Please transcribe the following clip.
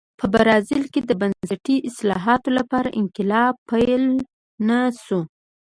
په برازیل کې د بنسټي اصلاحاتو لپاره انقلاب پیل نه شو.